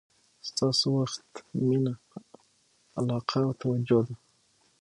ستاسو وخت، مینه، علاقه او توجه ده.